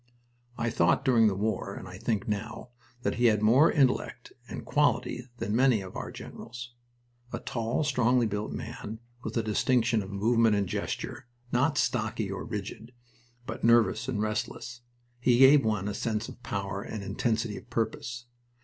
I thought during the war, and I think now, that he had more intellect and "quality" than many of our other generals. A tall, strongly built man, with a distinction of movement and gesture, not "stocky" or rigid, but nervous and restless, he gave one a sense of power and intensity of purpose.